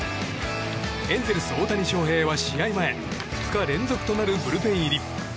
エンゼルス、大谷翔平は試合前２日連続となるブルペン入り。